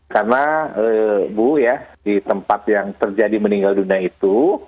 karena bu ya di tempat yang terjadi meninggal dunia itu